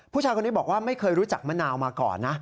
ผู้ชายคนนี้บอกว่าไม่เคยรู้จักมะนาวมาก่อนนะ